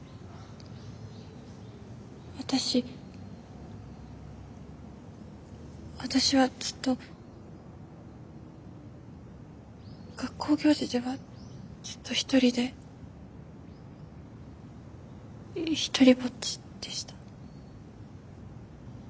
私私はずっと学校行事ではずっとひとりでひとりぼっちでした。